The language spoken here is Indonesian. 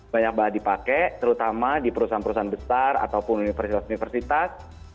banyak banget dipakai terutama di perusahaan perusahaan besar ataupun universitas universitas